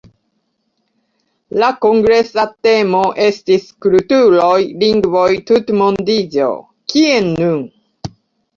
La kongresa temo estis “Kulturoj, lingvoj, tutmondiĝo: Kien nun?”.